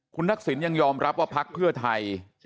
คุณทักษิณยังยอมรับว่าพักเพื่อไทย